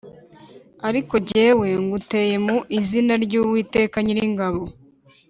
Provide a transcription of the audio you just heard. ariko jyewe nguteye mu izina ry’Uwiteka Nyiringabo